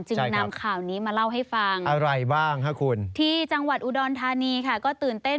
จึงนำข่าวนี้มาเล่าให้ฟังที่จังหวัดอุดรธานีค่ะก็ตื่นเต้น